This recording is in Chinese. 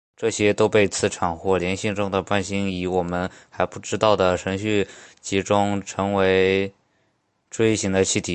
这些都被磁场或联星中的伴星以我们还不知道的程序集中成为锥形的气体。